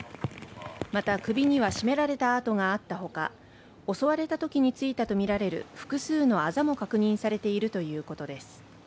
また首には絞められた痕があったほか、襲われたときについたとみられる複数のあざも確認されているということです。